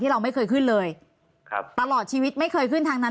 เราไม่เคยขึ้นเลยครับตลอดชีวิตไม่เคยขึ้นทางนั้น